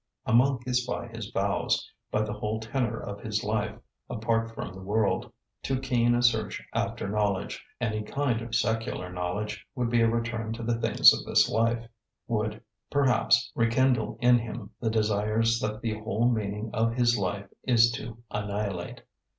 A monk is by his vows, by the whole tenour of his life, apart from the world; too keen a search after knowledge, any kind of secular knowledge, would be a return to the things of this life, would, perhaps, re kindle in him the desires that the whole meaning of his life is to annihilate.